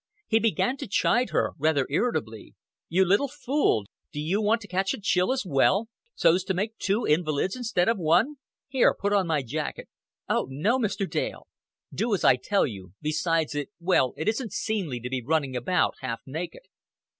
He began to chide her, rather irritably. "You little fool, do you want to catch a chill as well so's to make two invalids instead of one? Here, put on my jacket." "Oh, no, Mr. Dale." "Do as I tell you. Besides, it well, it isn't seemly to be running about half naked."